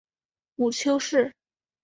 母丘氏。